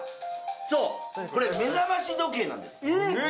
そうこれ目覚まし時計なんです・えっ！？